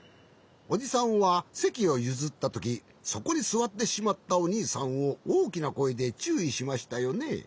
おじさんはせきをゆずったときそこにすわってしまったおにいさんをおおきなこえでちゅういしましたよね？